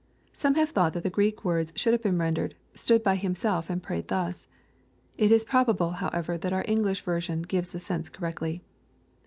] Some have thought that the Greek words should have been rendered, "stood by himself and prayed thus." It is probable, however, that our English ver sion gives the sense correctly.